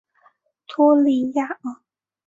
托里耶尔。